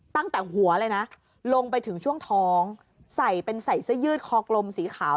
ตั้งแต่หัวเลยนะลงไปถึงช่วงท้องใส่เป็นใส่เสื้อยืดคอกลมสีขาว